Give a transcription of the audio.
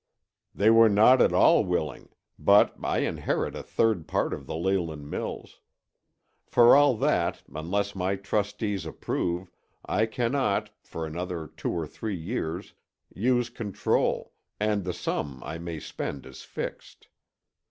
"They were not at all willing, but I inherit a third part of the Leyland mills. For all that, unless my trustees approve, I cannot, for another two or three years, use control, and the sum I may spend is fixed.